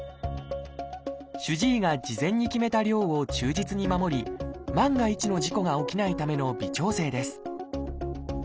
主治医が事前に決めた量を忠実に守り万が一の事故が起きないための微調整です